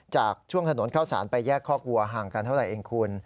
จากช่วงถนนเข้าสารไปแยกคอกวัวห่างกันเท่าไหร่เองคุณ